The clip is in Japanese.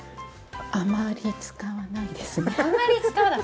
あまり使わないですね。